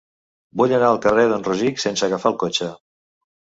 Vull anar al carrer d'en Rosic sense agafar el cotxe.